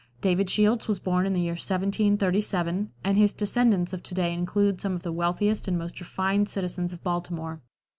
David Shields was born in the year 1737, and his descendants of to day include some of the wealthiest and most refined citizens of Baltimore.